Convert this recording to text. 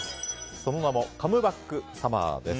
その名もカムバックサマーです。